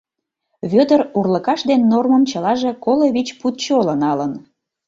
Вӧдыр урлыкаш ден нормым чылаже коло вич пуд чоло налын.